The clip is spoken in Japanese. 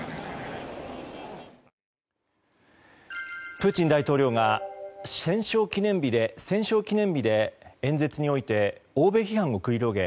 プーチン大統領が戦勝記念日で演説において欧米批判を繰り広げ